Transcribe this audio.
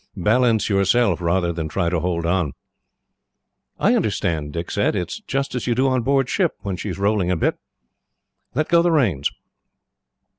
Balance yourself, rather than try to hold on." "I understand," Dick said. "It is just as you do on board ship, when she is rolling a bit. Let go the reins."